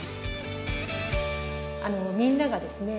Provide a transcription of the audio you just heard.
みんながですね